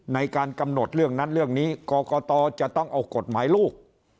ในการกำหนดเรื่องนั้นเรื่องนี้กรกตจะต้องเอากฎหมายลูก